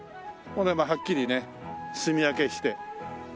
これもはっきりねすみ分けして。